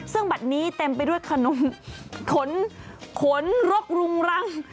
ซึ่งบัตรนี้เต็มไปด้วยขนมขนรกรุงรัง